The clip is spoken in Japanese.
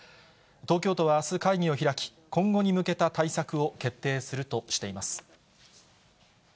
東京都はあす、会議を開き、今後に向けた対策を決定するとしています。